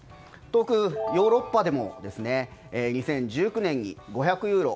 遠くヨーロッパでも２０１９年に５００ユーロ。